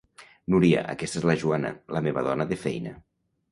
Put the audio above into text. Núria, aquesta és la Joana, la meva dona de feina.